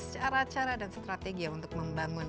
cara cara dan strategi untuk membangun